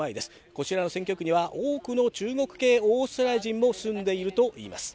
こちらの選挙区には、多くの中国系オーストラリア人も住んでいるといいます。